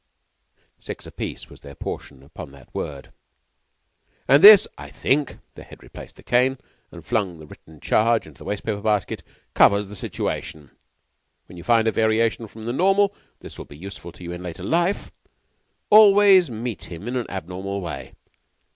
Six apiece was their portion upon that word. "And this I think" the Head replaced the cane, and flung the written charge into the waste paper basket "covers the situation. When you find a variation from the normal this will be useful to you in later life always meet him in an abnormal way.